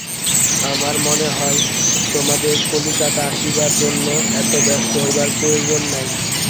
আমার মনে হয়, তোমাদের কলিকাতা আসিবার জন্য অত ব্যস্ত হইবার প্রয়োজন নাই।